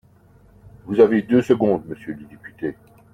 Vous avez deux secondes, monsieur le député.